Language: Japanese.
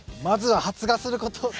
まずは発芽すること！